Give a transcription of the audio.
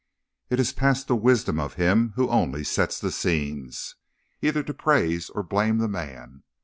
It is past the wisdom of him who only sets the scenes, either to praise or blame the man.